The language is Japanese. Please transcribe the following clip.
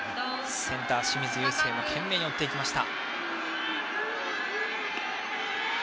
センター清水友惺も懸命に追っていきました。